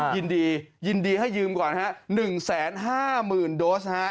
ยินดียินดีให้ยืมก่อนฮะ๑๕๐๐๐โดสฮะ